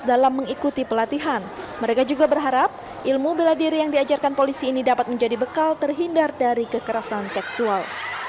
dalam mengikuti pelatihan mereka juga berharap ilmu bela diri yang diajarkan polisi ini dapat menjadi bekal terhindar dari kekerasan seksual